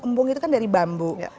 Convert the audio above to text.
embung itu kan dari bambu